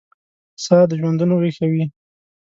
ساه دژوندون ویښوي